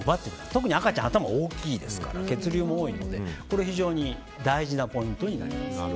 特に赤ちゃんは頭大きいですから血流も多いので非常に大事なポイントになります。